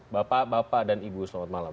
bapak bapak dan ibu selamat malam